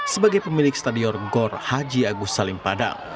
sebagai pemilik stadion gor haji agus salim padang